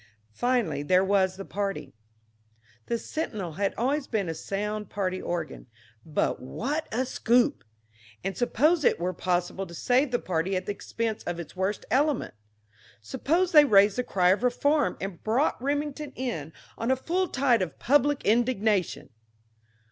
Finally there was the party. The Sentinel had always been a sound party organ. But what a scoop! And suppose it were possible to save the party at the expense of its worst element? Suppose they raised the cry of reform and brought Remington in on a full tide of public indignation?